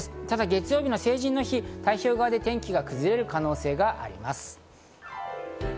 ただ月曜日の成人の日、太平洋側で天気が崩れる可能性がありそうです。